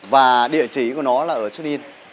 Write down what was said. và địa chỉ của nó là ở sonin